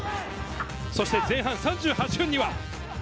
そして前半３８分には。